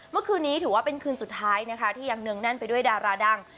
เมื่อคืนนี้ถือว่าเป็นคืนสุดท้ายนะคะที่ยังเนืองแน่นไปด้วยดาราดัง